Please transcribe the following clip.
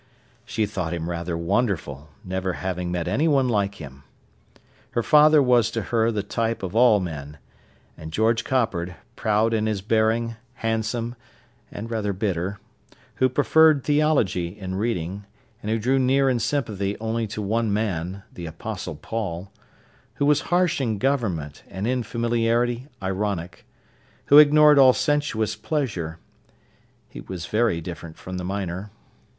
She thought him rather wonderful, never having met anyone like him. Her father was to her the type of all men. And George Coppard, proud in his bearing, handsome, and rather bitter; who preferred theology in reading, and who drew near in sympathy only to one man, the Apostle Paul; who was harsh in government, and in familiarity ironic; who ignored all sensuous pleasure:—he was very different from the miner.